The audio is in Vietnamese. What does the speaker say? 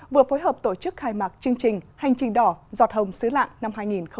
vừa phối hợp tổ chức khai mạc chương trình hành trình đỏ giọt hồng xứ lạng năm hai nghìn hai mươi